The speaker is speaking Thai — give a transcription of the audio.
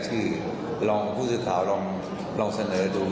คือกันตาม